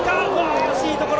惜しいところ。